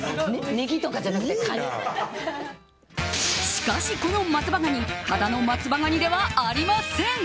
しかし、この松葉ガニただの松葉ガニではありません。